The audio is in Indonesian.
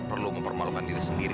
baru dapet segini